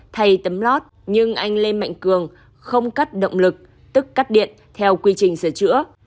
thay tấm lót nhưng anh lê mạnh cường không cắt động lực tức cắt điện theo quy trình sửa chữa